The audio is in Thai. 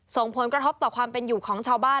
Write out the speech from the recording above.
ส่งผลกระทบต่อความเป็นอยู่ของชาวบ้าน